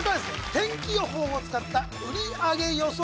天気予報を使った売り上げ予想